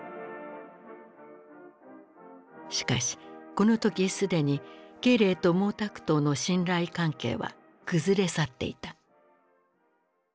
しかしこの時すでに慶齢と毛沢東の信頼関係は崩れ去っていた。